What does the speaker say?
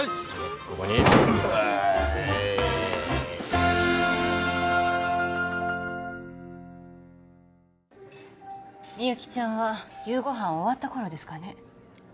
ここにおいみゆきちゃんは夕ご飯終わった頃ですかね